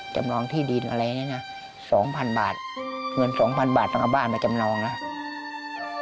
จำนองที่ดินอะไรเนี่ยนะ๒๐๐๐บาทเงิน๒๐๐๐บาททั้งกระบ้านมาจำนองแล้ว